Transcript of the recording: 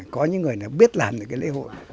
có những người nào biết làm được cái lễ hội